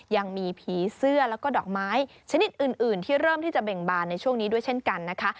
ยังมีผีเสื้อแล้วก็ดอกไม้ชนิดอื่นที่เริ่มที่จะเบ่งบานในช่วงนี้ด้วยเช่นกันนะคะ